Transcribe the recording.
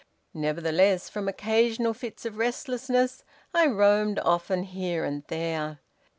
Nevertheless, from occasional fits of restlessness, I roamed often here and there.